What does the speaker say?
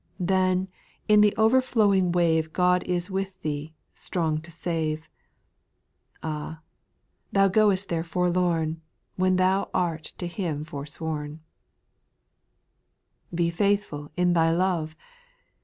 Then in the overflowing wave God is with thee, strong to save. Ah I thou goest there forlorn, When thou art to Him forsworn I 4. Be faithful in thy love